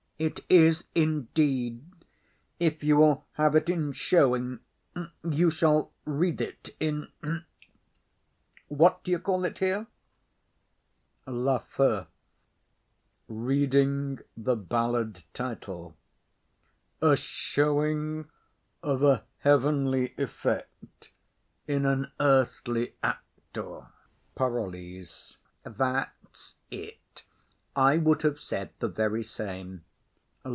It is indeed; if you will have it in showing, you shall read it in what do you call there? LAFEW. A showing of a heavenly effect in an earthly actor. PAROLLES. That's it; I would have said the very same.